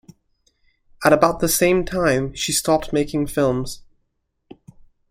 At about the same time, she stopped making films.